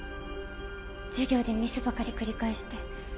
授業でミスばかり繰り返して。